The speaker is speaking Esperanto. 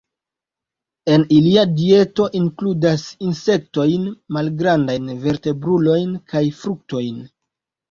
En ilia dieto inkludas insektojn, malgrandajn vertebrulojn kaj fruktojn.